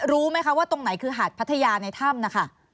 รู้ไหมคะว่าตรงไหนคือหาดพัทยาในถ้ำนะคะ